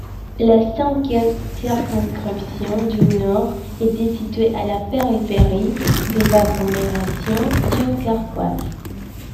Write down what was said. La cinquième circonscription du Nord était située à la périphérie de l'agglomération Dunkerquoise.